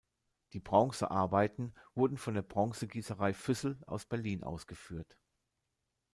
Die Bronzearbeiten wurden von der Bronzegießerei Füssel aus Berlin ausgeführt.